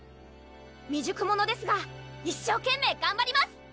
未熟者ですが一生懸命がんばります！